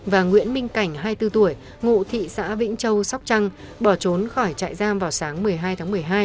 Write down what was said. và nguyễn minh cảnh hai mươi bốn tuổi ngụ thị xã vĩnh châu sóc trăng bỏ trốn khỏi trại giam vào sáng một mươi hai tháng một mươi hai